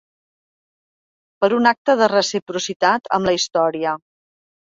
Per un acte de reciprocitat amb la història.